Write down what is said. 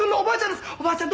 「おばあちゃん